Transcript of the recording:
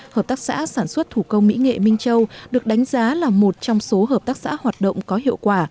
hợp tác xã sản xuất thủ công mỹ nghệ minh châu được đánh giá là một trong số hợp tác xã hoạt động có hiệu quả